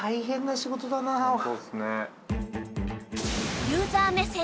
そうですね。